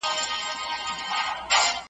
له اوره تش خُم د مُغان دی نن خُمار کرلی .